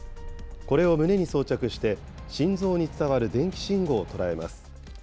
これを胸に装着して、心臓に伝わる電気信号を捉えます。